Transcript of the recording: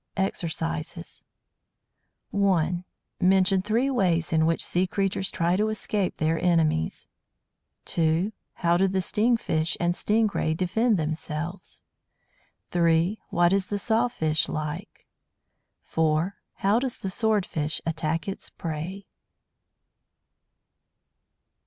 EXERCISES 1. Mention three ways in which sea creatures try to escape their enemies. 2. How do the Sting fish and Sting Ray defend themselves? 3. What is the Saw fish like? 4. How does the Sword fish attack its prey?